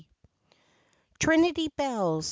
C rinity Bells!